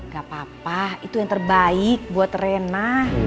gak apa apa itu yang terbaik buat rena